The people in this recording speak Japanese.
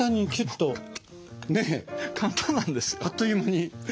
あっという間に。